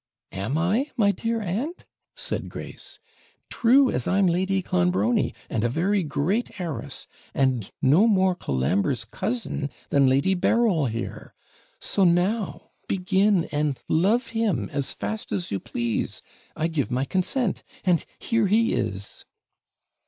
'Am I, my dear aunt?' said Grace. 'True, as I'm Lady Clonbrony and a very great heiress and no more Colambre's cousin than Lady Berryl here. So now begin and love him as fast as you please I give my consent and here he is.'